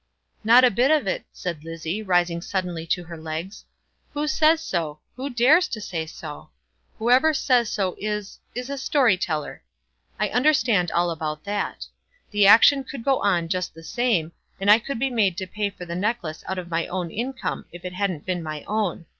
"Not a bit of it," said Lizzie, rising suddenly to her legs. "Who says so? Who dares to say so? Whoever says so is is a storyteller. I understand all about that. The action could go on just the same, and I could be made to pay for the necklace out of my own income if it hadn't been my own.